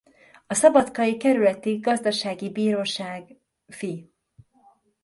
A szabadkai Kerületi Gazdasági Bíróság Fi.